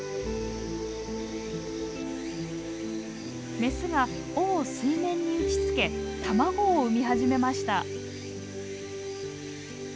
メスが尾を水面に打ちつけ卵を産み始めました。